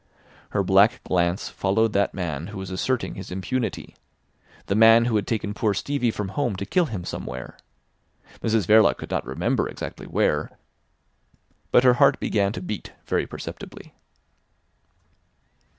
Her black glance followed that man who was asserting his impunity—the man who had taken poor Stevie from home to kill him somewhere. Mrs Verloc could not remember exactly where, but her heart began to beat very perceptibly.